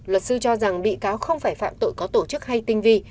luật sư cho rằng bị cáo không phải phạm tội có tổ chức hay tinh vi